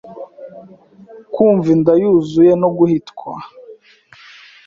kumva inda yuzuye no guhitwa